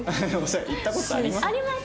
行った事あります？